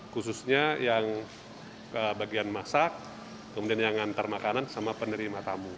khususnya yang bagian masak kemudian yang ngantar makanan sama penerima tamu